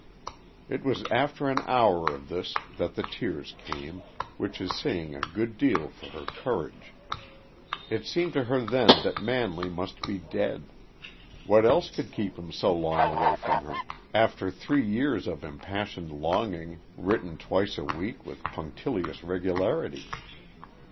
It was after an hour of this that the tears came, which is saying a good deal for her courage. It seemed to her then that Manley must be dead. What else could keep him so long away from her, after three years of impassioned longing written twice a week with punctilious regularity?